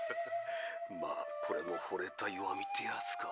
まこれもほれた弱みってやつか。